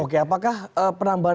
oke apakah penambahan